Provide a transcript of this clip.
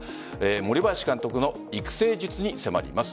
森林監督の育成術に迫ります。